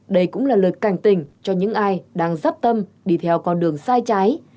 đây cũng là lời cảnh tình cho những ai đang dắp tâm đi theo con đường sai trái